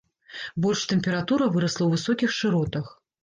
Больш тэмпература вырасла ў высокіх шыротах.